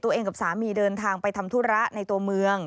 ตัวเองกับสามีเดินทางไปทำธุระในตัวเมือง